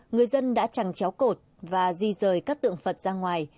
người dân đã chẳng chéo cột và di rời các tượng phật ra ngoài